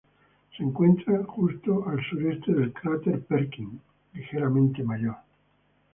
Se encuentra justo al sureste del cráter Perkin, ligeramente mayor.